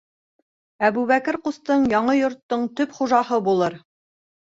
Әбүбәкер ҡустың яңы йорттоң төп хужаһы булыр.